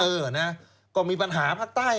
เออนะก็มีปัญหาภาคใต้